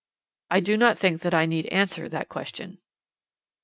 "'I do not think that I need answer that question.'